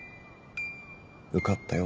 受かったよ